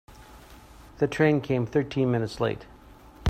The train came thirteen minutes late.